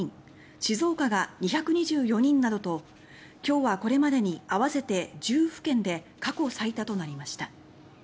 静岡が２２４人などと今日はこれまでに合わせて１０府県で過去最多となりました。